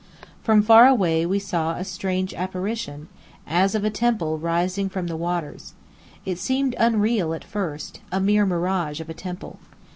From far away we saw a strange apparition, as of a temple rising from the waters. It seemed unreal at first, a mere mirage of a temple.